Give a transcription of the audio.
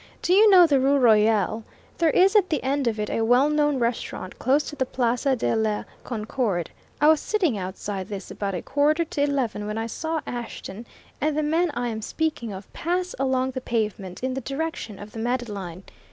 Do you know the Rue Royale? There is at the end of it a well known restaurant, close to the Place de la Concorde I was sitting outside this about a quarter to eleven when I saw Ashton and the man I am speaking of pass along the pavement in the direction of the Madeleine.